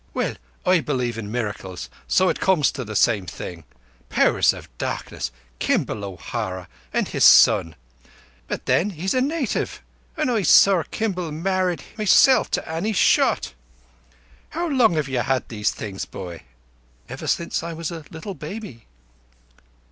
"Well, I believe in miracles, so it comes to the same thing. Powers of Darkness! Kimball O'Hara! And his son! But then he's a native, and I saw Kimball married myself to Annie Shott. How long have you had these things, boy?" "Ever since I was a little baby."